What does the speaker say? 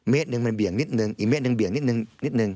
เมตรนึงมันเบี่ยงนิดนึงอีกเมตรนึงเบี่ยงนิดนึง